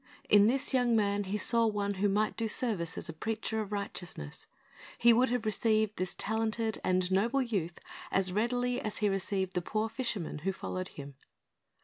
In this young man He saw one who might do service as a preacher of righteousness. He Avould have received this talented and noble youth as readily as He received the poor fishermen who followed Him.